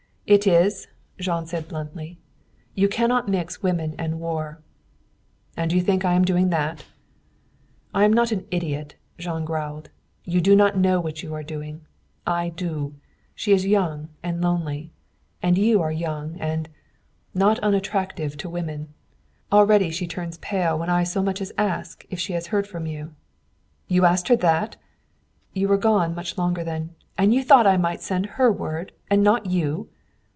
"It is," Jean said bluntly. "You cannot mix women and war." "And you think I am doing that?" "I am not an idiot," Jean growled. "You do not know what you are doing. I do. She is young and lonely. You are young and not unattractive to women. Already she turns pale when I so much as ask if she has heard from you." "You asked her that?" "You were gone much longer than " "And you thought I might send her word, and not you!"